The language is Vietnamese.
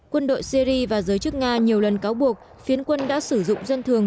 quân đội syri và giới chức nga nhiều lần cáo buộc phiến quân đã sử dụng dân thường